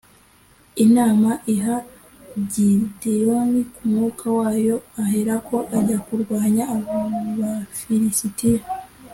Imana iha Gideyoni ku mwuka wayo aherako ajya kurwanya abafirisitiya